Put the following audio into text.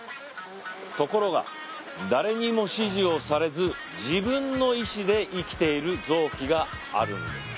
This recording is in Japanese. ところが誰にも指示をされず自分の意思で生きている臓器があるんです。